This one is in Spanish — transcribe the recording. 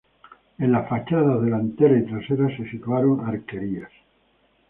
En las fachadas delantera y trasera se situaron arquerías.